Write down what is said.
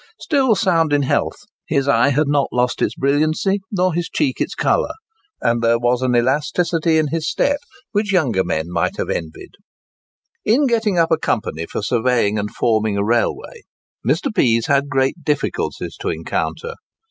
Still sound in health, his eye had not lost its brilliancy, nor his cheek its colour; and there was an elasticity in his step which younger men might have envied. In getting up a company for surveying and forming a railway, Mr. Pease had great difficulties to encounter.